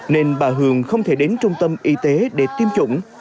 nên bà hường không thể đến trung tâm y tế để tiêm chủng